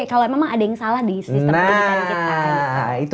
kalau memang ada yang salah di sistem pendidikan kita